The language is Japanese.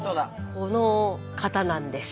この方なんです。